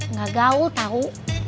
nggak gaul tau